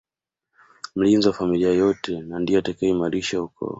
Mlinzi wa familia yote na ndiye atakayeimarisha ukoo